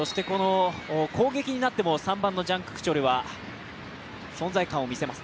攻撃になっても３番のジャン・ククチョルは存在感を見せます。